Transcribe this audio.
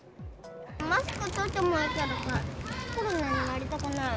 マスク取ってもいいけどさ、コロナになりたくない。